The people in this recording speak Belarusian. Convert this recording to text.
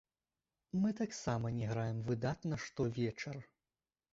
Мы таксама не граем выдатна штовечар.